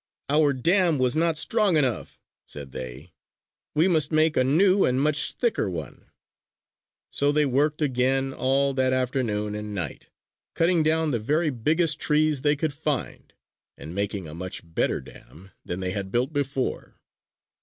"Our dam was not strong enough," said they; "we must make a new and much thicker one." So they worked again all that afternoon and night, cutting down the very biggest trees they could find, and making a much better dam than they had built before.